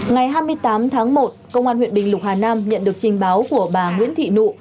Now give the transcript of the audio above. ngày hai mươi tám tháng một công an huyện bình lục hà nam nhận được trình báo của bà nguyễn thị nụ